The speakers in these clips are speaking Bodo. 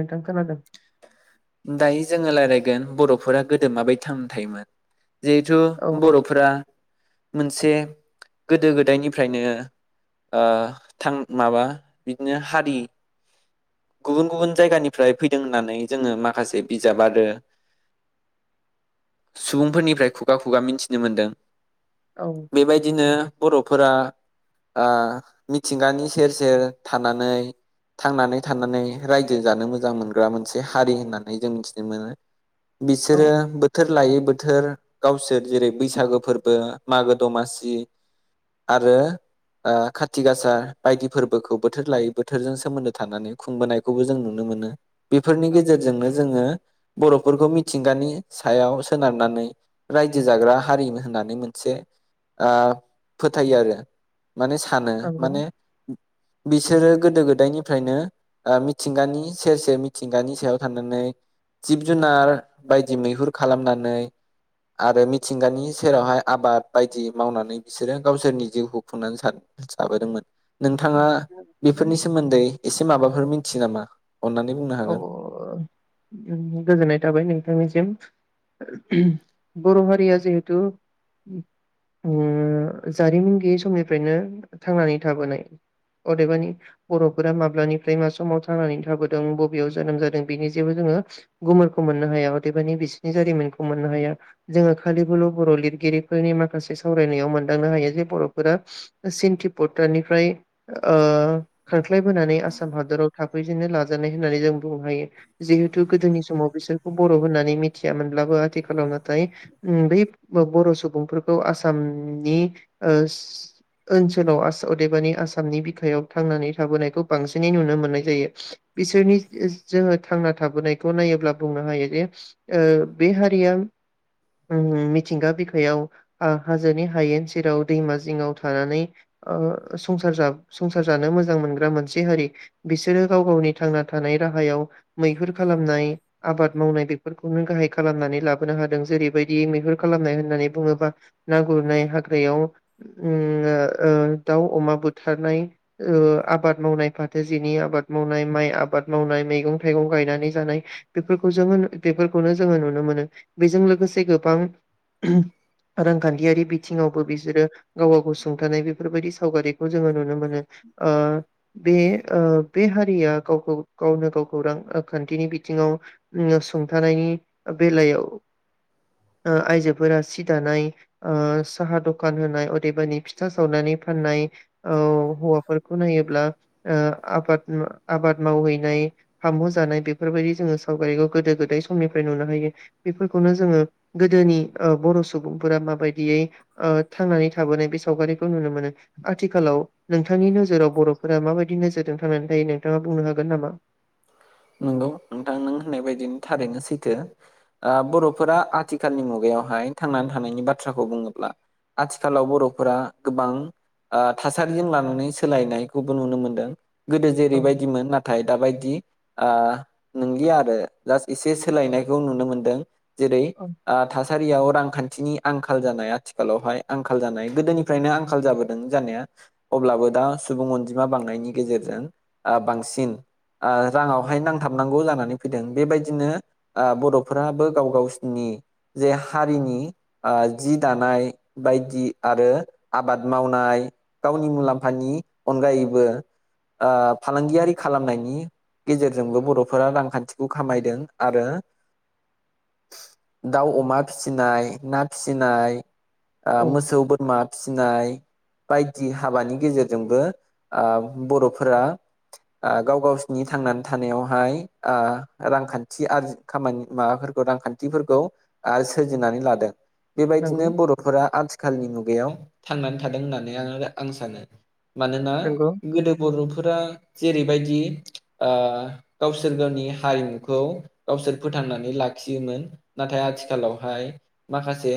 नोंथां खोनादों दायो जोङो रायलायगोन बरफोरा गोदो माबायदि थांनां थायोमोन जिहेथु औ औ बरफोरा मोनसे गोदो गोदायनिफ्रायनो ओ थां माबा बिदिनो हारि गुबुन गुबुन जायगानिफ्राय फैदों होननानै जोङो मा खासे बिजाब आरो सुबुंफोरनिफ्राय खुगा खुगा मिथिनो मोनदों औ बेबायदिनो बरफोरा ओ मिथिंगानि सेर सेर थानानै थांनानै थानानै रायजो जानो मोजां मोनग्रा मोनसे हारि होननानै जों मिथिनो मोनो औ बिसोरो बोथोर लायो बोथोर गावसोर जेरै बैसागो फोरबो मागो दमासि आरो काथिग आसार बायदि फोरबोखौ बोथोर लायै बोथोरजों सोमोन्दो थानानै खुंबोनायखौबो जों नुनो मोनो। बेफोरनि औ गेजेरजोंनो जोङो बरफोरखौ मिथिंगानि सायाव सोनारनानै रायजो जाग्रा हारि होननानै मोनसे ओ फोथायो आरो माने सानो नंगौ माने बिसोरो गोदो गोदायनिफ्रायनो ओ मिथिंगानि सेर सेर मिथिंगानि सायाव थानानै जिब जुनार बायदि मैहुर खालामनानै आरो मिथिंगानि सेरावहाय आबाद बायदि मावनानै बिसोरो गावसोरनि जिउखौ खुंनानै जा-जाबोदोंमोन नोंथाङा बेफोरनि सोमोन्दै एसे माबाफोर मिथियो नामा अननानै बुंनो हागोन ओम गोजोननाय थाबाय नोंथांनिसिम बर' हारिया जिहेथु ओम जारिमिन गैयि समनिफ्रायनो थांनानै थाबोनाय अदेबानि बर'फोरा माब्लानिफ्राय मा समाव थांनानै थाबो दं जों बबेयाव जोनोम जादों बेनि जेबो जोङो गुमुरखौ मोननो हाया अदेबानि बिसोरनि जारिमिनखौ मोननो हाया जोङो खालिबोल बर' लिरगिरिफोरनि माखासे सावरायनायाव मोनदांनो हायो जे बर'फोरा चिन तिब्बताननिफ्राय ओ खारख्लायबोनानै आसाम हादराव थाफैजेननो ला जानाय होननानै जों बुंनो हायो। जिहेथु गोदोनि समाव बिसोरखौ बर' होननानै मिथियामोनब्लाबो आथिखालाव नाथाय ओ बै बर सुबुंफोरखौ आसामनि ओ ओनसोलाव अदेबानि आसामनि बिखायाव थांनानै थाबोनायखौ बांसिनै नुनो मोननाय जायो। बिसोरनि जोङो थांना थाबोनायखौ नायोब्ला बुंनो हायो जे ओ बे हारिया ओं मिथिंगा बिखायाव आ हाजोनि हायेन जेराव दैमा जिङाव थानानै आ संसार संसार जानो मोजां मोनग्रा मोनसे हारि। बिसोरो गाव गावनि थांना थानाय राहायाव मैहुर खालामनाय, आबाद मावनाय बेफोरखौनो गाहाइ खालामनानै लाबोनो हादों जेरैबायदि मैहुर खालामनाय होननानै बुङोबा ना गुरनाय हाग्रायाव उम ओ दाउ अमा बुथारनाय आबाद ओ मावनाय फाथो जिनि आबाद मावनाय माइ आबाद मावनाय मैगं-थाइगं गायनानै जानाय बेफोरखौ जोङो बेफोरखौनो जोङो नुनो मोनो। बेजों लोगोसे गोबां रांखान्थियारि बिथिङावबो बिसोरो गाव गाव सुंथानाय बेफोरबायदि सावगारिखौ जोङो नुनो मोनो। ओ बे ओ बे हारिया गावखौ गावनो गावखौ रांखान्थिनि बिथिङाव ओम सुंथानायनि बेलायाव ओ आइजोफोरा सि दानाय, ओ‌ साहा दखान होनाय, अदेबानि फिथा सावनानै फाननाय, औ हौवाफोरखौ नायोब्ला ओ आबाद आबाद मावहैनाय फामु जानाय बेफोरबायदि जोङो सावगारिखौ गोदो गोदाय बे समनिफ्राय नुनो हायो। बेफोरखौनो जोङो गोदोनि ओ बर' सुबुं बुंफोरा माबायदियै ओ थांनानै थाबोनाय बे सावगारिखौ नुनो मोनो। आथिखालाव नोंथांनि नोजोराव बर'फोरा माबायदि दि नोजोरजों थांनानै थायोनो नोंथाङा बुंनो हागोन नामा? नंगौ नोंथां नों होननाय बायदिनो थारैनो सैथो। ओ बर'फोरा आथिखालनि मुगायावहाय थांनानै थानायनि बाथ्राखौ बुङोब्ला आथिखालाव बर'फोरा गोबां ओ थासारिजों लानानै सोलायनायखौबो नुनो मोनदों। गोदो औ जेरैबायदिमोन नाथाय दाबायदि ओ नोंलिया आरो जास्ट एसे सोलायनायखौ नुनो मोनदों। जेरै ओ औ थासा थासारियाव रांखान्थिनि आंखाल जानाय आथिखालावहाय आंखाल जानाय गोदोनिफ्रायनो आंखाल जाबोदों जानाया अब्लाबो दा सुबुं अनजिमा बांनायनि गेजेरजों ओ बांसिन ओ राङावहाय नांथाबनांगौ जानानै फैदों। बेबायदिनो ओ बर'फोराबो गाव गावसिनि जे हारिनि जि दानाय बायदि आरो आबाद मावनाय गावनि मुलाम्फानि अनगायैबो ओ फालांगियारि खालामनायनि गेजेरजोंबो बर'फोरा रांखान्थिखौ खामायदों आरो दाउ, अमा फिसिनाय, ना फिसिनाय ओ औ मोसौ, बोरमा फिसिनाय बायदि हाबानि गेजेरजोंबो ओ बर'फोरा ओ गाव गावसिनि थांनानै थानायावहाय ओ रांखान्थि आरजि खामानि माबाफोरखौ रांखान्थिफोरखौ ओ सोरजिनानै लादों। नंगौ बेबायदिनो बर'फोरा आथिखालनि मुग गायाव थांनानै थादों होननानै आङो आं सानो। मानोना नंगौ गोदो बर'फोरा जेरैबायदि ओ गावसोर गावनि हारिमुखौ गावसोर फोथांनानै लाखियोमोन। नाथाय आथिखालावहाय माखासे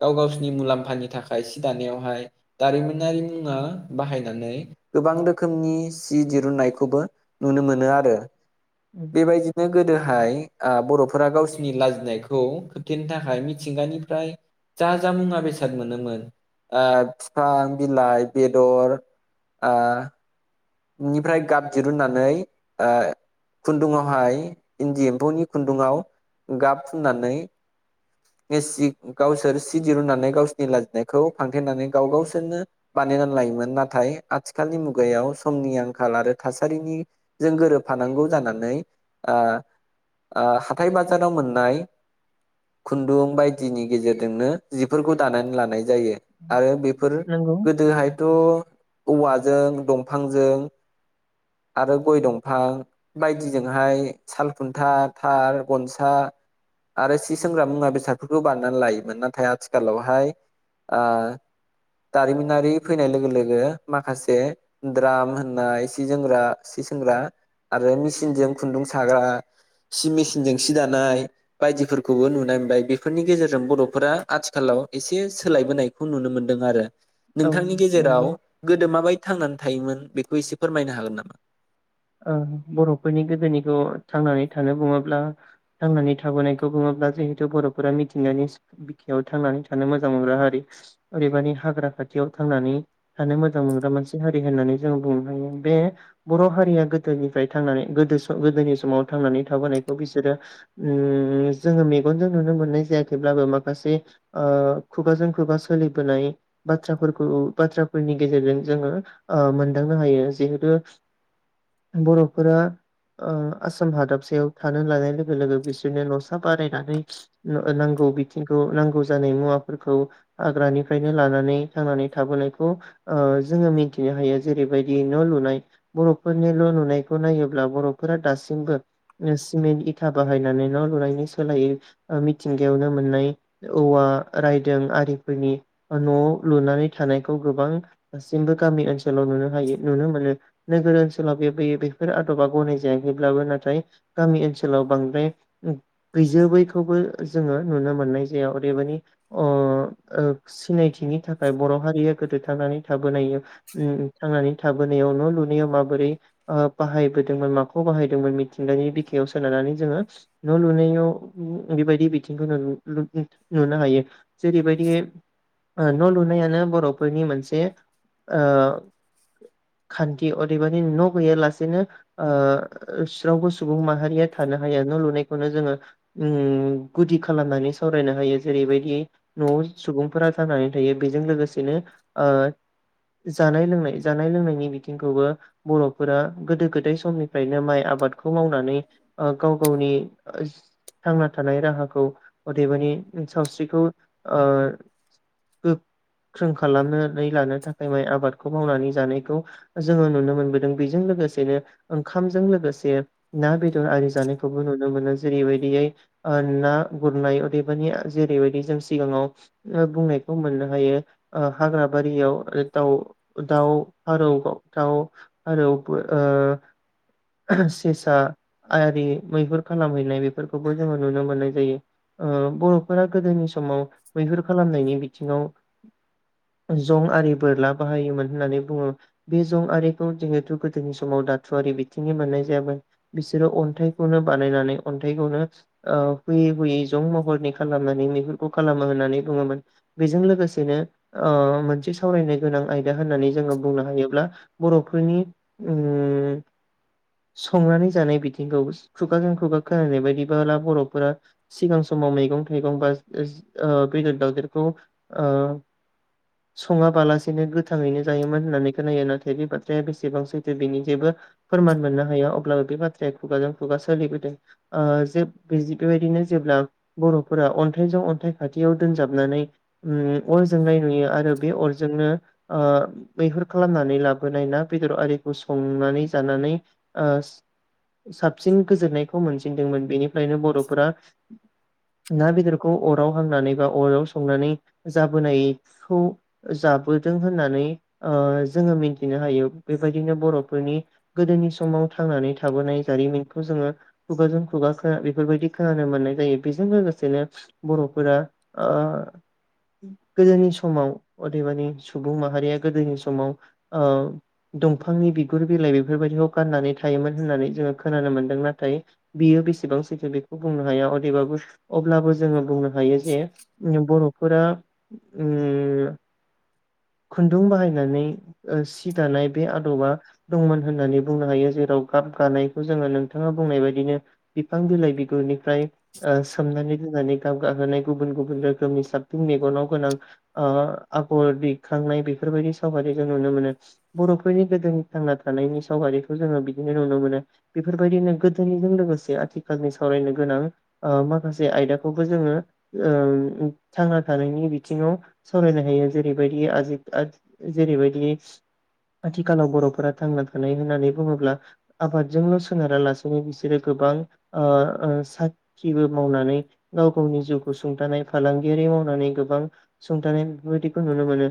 गाव गावसिनि मुलाम्फानि थाखाय सि दानायावहाय दारिमिनारि मुवा बाहायनानै गोबां रोखोमनि सि दिरुननायखौबो नुनो मोनो आरो बेबायदिनो गोदोहाय ओ बर'फोरा गावसिनि लाजिनायखौ खोबथेनो थाखाय मिथिंगानिफ्राय जा जा मुवा बेसाद मोनोमोन ओ बिफां, बिलाइ, बेदर ओ निफ्राय गाब दिरुननानै ओ खुन्दुंआवहाय इन्दि एम्फौनि खुन्दुंआव गाब फुननानै सि गावसोर सि दिरुननानै गावसोरनि लाजिनायखौ फांथेनानै गाव गावसोरनो बानायनानै लायोमोन। नाथाय आथिखालनि मुगायाव समनि आंखाल आरो थासारिनिजों गोरोबफानांगौ जानानै ओ ओ हाथाइ बाजाराव मोननाय खुन्दुं बायदिनि गेजेरजोंनो जिफोरखौ दानानै लानाय जायो। आरो बेफोर नंगौ गोदोहायथ' औवाजों दं फांजों आरो गय दंफां बायदिजोंहाय सालखुन्था, थार, गनसा आरो सि सोंग्रा मुवा बेसादफोरखौ बानायनानै लायोमोन नाथाय आथिखालावहाय ओ दारिमिनारि फैनाय लोगो लोगो माखासे द्राम होननाय सि जोंग्रा सि सोंग्रा आरो मेसिनजों खुन्दुं साग्रा, सि मेसिनजों सि दानाय बायदिफोरखौबो नुनाय मोनबाय बेफोरनि गेजेरजों बर'फोरा आथिखालाव एसे सोलायबोनायखौ नुनो मोनदों आरो। औ नोंथांनि नंगौ गेजेराव गोदो माबायद थांनान थायोमोन बेखौ एसे फोरमायनो हागोन नामा? ओ बर'फोरनि गोदोनिखौ थांनानै थानो बुङोब्ला थांनानै थाबोनायखौ बुङोब्ला जिहेथु बर'फोरा मिथिंगानि बिखायाव थांनानै थानो मोजां मोनग्रा हारि अदेबानि हाग्रा खाथियाव थांनानै थानो मोजां मोनग्रा मोनसे हारि होननानै जों बुंनो हायो। बे बर' हारिया गोदोनिफ्राय थांनानै गोदो स गोदोनि समाव थांनानै थाबोनायखौ बिसोरो उम जोङो मेगनजों नुनो मोननाय जायाखैब्लाबो माखासे ओ खुगाजों खुगा सोलिबोनाय बाथ्राफोरखौ बाथ्राफोरनि गेजेरजों जोङो ओ मोनदांनो हायो जिहेतु बर'फोरा ओ आसाम हादाबसायाव थानो लानाय लोगो लोगो बिसोरनो नसा बारायनानै ओ नांगौ बिथिंखौ नांगौ जानाय मुवाफोरखौ हाग्रानिफ्रायनो लानानै थांनानै थाबोनायखौ ओ जोङो मिन्थिनो हायो जेरैबायदि न लुनाय बर' फोरनिल नुनायखौ नायोब्ला बर'फोरा दासिमबो सिमेन्ट इथा बाहायनानै न' लुनायनि सोलायै ओ मिथिंगायावनो मोननाय औवा रायदों आरिफोरनि न' लुनानै थानायखौ गोबां दासिमबो गामि ओनसोल न' लुनो हायो नुनो मोनो। नोगोर ओनसो ओनसोलाव बे बैफोर आदबा गनाय जायाखैब्लाबो नाथाय गामि ओनसोलाव बांद्राय गैजोबैखौबो जोङो नुनो मोननाय जाया अदेबानि अ ओ सिनायथिनि थाखाय बर' हारिया गोदो थांनानै थाबोन उम थांनानै थाबोनायाव न' लुनायाव माबोरै ओ बाहायबोदोंमोन माखौ बाहायदोंमोन मिथिंगानि बिखायाव सोनारनानै जोङो न' लुनायाव उम बेबायदि बिथिंखौ नुनो हायो जेरैबायदियै ओ न लुनायानो बर'फोरनि मोनसे ओ खान्थि अदेबानि न' लुबैया लासेनो ओ स्रावबो सुबुं माहारिया थानो हाया न' लुनायखौनो जोङो उम गुदि खालामनानै सावरायनो हायो जेरैबायदियै न'आव सुबुंफोरा थानानै थायो बेजों लोगोसेनो ओ जानाय लोंनाय जानाय लोंनायनि बिथिंखौबो बर' फोरा गोदो गोदाय समनि फ्रायनो माइ आबादखौ मावनानै ओ गाव गावनि थांना थानाय राहाखौ अदेबानि सावस्रिखौ ओ गो ख्रों खालामनानै लानो थाखाय माइ आबादखौ मावनानै जानायखौ जोङो नुनो मोनबोदों। बेजों लोगोसेनो ओंखामजों लोगोसे ना बेदर आरि जानायखौबो नुनो मोनो जेरैबायदियै ओ ना गुरनाय अदेबानि जेरैबायदि जों सिगाङाव ओ बुंनायखौ मोननो हायो ओ हाग्रा बारियाव दाउ दाउ फारौ दउ फारौबो ओ सेसा आरि मैहुर खालामहैनाय बेफोरखौबो जोङो नुनो मोननाय जायो ओ बरफोरा गोदोनि समाव मैहुर खालामनायनि बिथिङाव जं आरि बोरला बाहायोमोन होननानै बुङो बे जं आरि खौ जिहेथु गोदोनि समाव दाथुआरि बिथिंनि मोननाय जायामोन बिसोरो अन्थाइखौनो बानायनानै अन्थाइखौनो ओ हुयै हुयै जं महरनि खालामनानै मैहुरखौ खालामो होननानै बुङोमोन बेजों लोगोसेनो ओ मोनसे सावरायनो गोनां आयदा होननानै जोङो बुंनो हायोब्ला बर'फोरनि उम संनानै जानाय बिथिंखौ खुगाजों खुगा खोनानाय बायदिबोला बरफोरा सिगां समाव मैगं थाइगं बा ओ बेदर दावउदेरखौ ओ सङाबालासेनो गोथाङैनो जायोमोन होननानै खोनायो नाथाय बे बाथ्राया बेसेबां सैथो बेनि जेबो फोरमान मोननो हाया अब्लाबो बे बाथ्राया खुगाजों खुगा सोलिबोदों ओ जे बेबायदिनो जेब्ला बरफोरा अन्थाइजों अन्थाइ खाथियाव दोनजाबनानै उम अरजोंनाय नुयो आरो बे अरजोंनो ओ मैहुर खालामनानै लाबो बो नायना बेदर आरिखौ संनानै जानानै ओ स साबसिन गोजोननायखौ मोनसिनदोंमोन बेनि खायनो बरफोरा ना बेदरखौ अराव हांनानै बा अराव संनानै जाबोनायखौ जाबोदों होननानै ओ जोङो मिन थिनो हायो बेबायदिनो बर'फोरनि गोदोनि समाव थांनानै थाबोनाय जारिमिनखौ जोङो खुगाजों खुगा खोना बेफोरबायदि खोनानो मोननाय जायो बेजों लोगोसेनो बरफोरा ओ गोदोनि समाव अदेबानि सुबुं माहारिया गोदोनि समाव ओ दंफांनि बिगुर बिलाइ बेफोरबायदिखौ गाननानै थायोमोन होननानै जोङो खोनानो मोन्दों नाथाय बियो बेसेबां सैथो बेखौ बुंनो हाया अदेबा बुस अब्लाबो जोङो बुंनो हायो जे बर' फुरा उम खुन्दुं बाहायनानै ओ सि दानाय बे आदबा दंमोन होननानै बुंनो हायो जेराव गाब गानायखौ जोङो नोंथाङा बुंनाय बायदिनो बिफां बिलाइ बिगुरनिफ्राय ओ सोमनानै दोननानै गाब गाहोनाय गुबुन गुबुन रोखोमनि साबसिन मेगनाव गोनां ओ आगर बे खांनाय बेफोरबायदि सावगारि जों नुनो मोनो बर'फोरनि गोदोनि थांना थानायनि सावगारिखौ जोङो बिदिनो नुनो मोनो बेफोरबायदिनो गोदोनिजों लोगोसे आथिखालनि सावरायनो गोनां ओ माखासे आयदाखौबो जोङो ओम थांना थानायनि बिथिङाव सावरायनो हायो जेरैबाय दि आजिख आ जेरैबायदि आथिखालाव बर'फोरा थांना थानाय होननानै बुङोब्ला आबादजोंल सोनारालासेनो बिसोरो गोबां ओ ओ साखिबो मावनानै गाव गावनि जिउखौ सुंथानाय फालांगियारि मावनानै गोबां सुंथानाय बेफोरबायदिखौ नुनो मोनो। ओ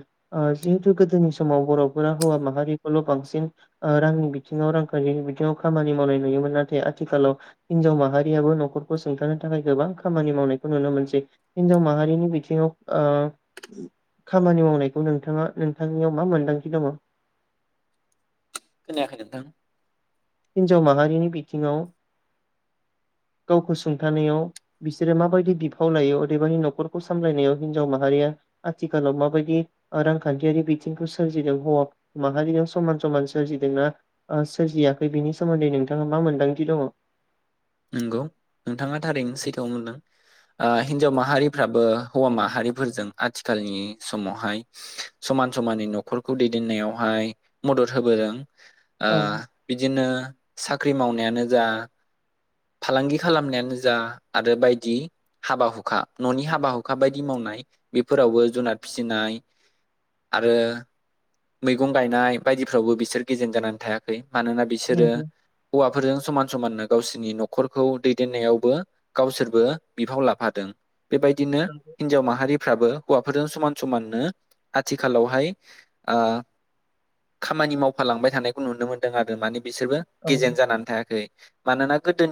जिहेथु गोदोनि समाव बर'फोरा हौवा माहारिखौल बांसिन ओ रांनि बिथिङाव रांखान्थिनि बिथिङाव खामानि मावनाय नुयोमोन नाथाय आथिखालाव हिनजाव माहारियाबो नखरखौ सुंथानो थाखाय गोबां खामानि मावनायखौ नुनो मोनसै हिनजाव माहारिनि बिथिङाव ओ खामानि मावनाय खौ नोंथाङा नोंथांनियाव मा मोनदांथि दङ? खोनायाखै नोंथां। हिनजाव माहारिनि बिथिङाव गावखौ सुंथानायाव बिसोरो माबायदि बिफाव लायो अदेबानि नखरखौ सामलायनायाव हिन्जाव माहारिया आथिखालाव माबायदि ओ रांखान्थियारि बिथिंखौ सोरजिदों हौवा माहारियाव समान समान सोरजिदोंना ओ सोरजिया खै बिनि सोमोन्दै नोंथाङा मा मोन्दांथि दङ? नंगौ नोंथाङा थारैनो सैथोआव मोनदों ओ हिनजाव माहारिफ्राबो हौवा माहारिफोरजों आथिखालनि समावहाय समान समाननै नखरखौ दैदेननायावहाय मदद होबोदों। ओ औ बिदिनो साख्रि मावनायानो जा फालांगि खालामनायानो जा आरो बायदि हाबा हुखा ननि हाबा हुखा बायदि मावनाय बेफोरावबो जुनाद फिसिनाय आरो मैगं गायनाय बायदिफ्रावबो बिसोर गेजेन जानानै थायाखै। मानोना बिसोरो नंगौ हौवा फोरजों समान समाननो गावसि नि नखरखौ दैदेननायावबो गावसोरबो बिफाव लाफादों। बेबायदिनो हिनजाव माहारि फ्राबो हौवाफोरजों समान समाननो आथिखालावहाय ओ खामानि मावफालांबाय थानायखौ नुनो मोनदों आरो मानि बिसोरबो औ गेजेन जानानै थायाखै। मानोना गोदोनि